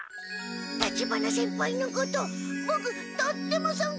立花先輩のことボクとってもそんけいしてます！